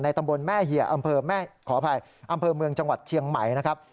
ในตำบลแม่เหยียอำเภอเมืองจังหวัดเชียงใหม่นะครับ